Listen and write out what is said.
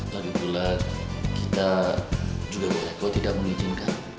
lagipula kita juga boleh kok tidak mengizinkan